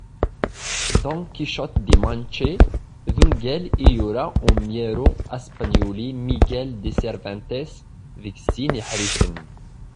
Don Quichotte de Manche d ungal i yura umyaru aspenyuli Miguel de Cervantes deg sin iḥricen.